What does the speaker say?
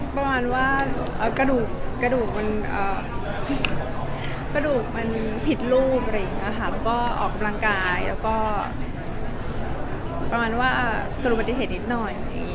ประมาณว่ากระดูกมันผิดรูปออกกำลังกายประมาณว่ากระดูกปฏิเสธนิดหน่อย